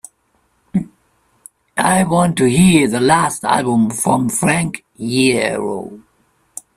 I want to hear the last album from Frank Iero